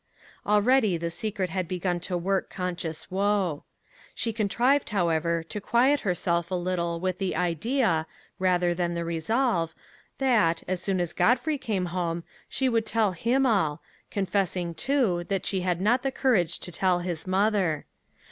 Already the secret had begun to work conscious woe. She contrived, however, to quiet herself a little with the idea, rather than the resolve, that, as soon as Godfrey came home, she would tell him all, confessing, too, that she had not the courage to tell his mother.